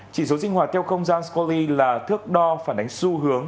chỉ số sinh hoạt theo không gian scoti là thước đo phản ánh xu hướng